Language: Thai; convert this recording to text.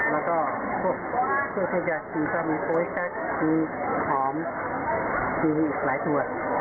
แล้วก็พวกเชฟจาชีมก็มีโคล้สัตว์ผีหอมผีอีกหลายตัว